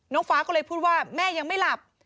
ฟ้าก็เลยพูดว่าแม่ยังไม่หลับ